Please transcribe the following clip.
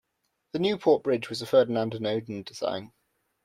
The Newport bridge was a Ferdinand Arnodin design.